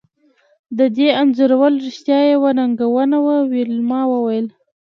د دې انځورول رښتیا یوه ننګونه وه ویلما وویل